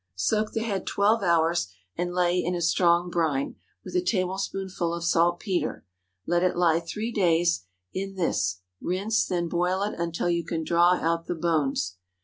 Soak the head twelve hours, and lay in a strong brine, with a tablespoonful of saltpetre. Let it lie three days in this; rinse; then boil it until you can draw out the bones.